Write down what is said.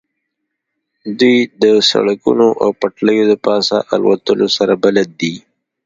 دوی د سړکونو او پټلیو د پاسه الوتلو سره بلد دي